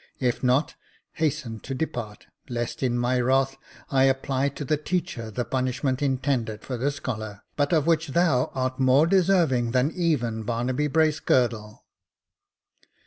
If not, hasten to depart, lest in my wrath I apply to the teacher the punish ment intended for the scholar, but of which thou art more deserving than even Barnaby Bracegirdle."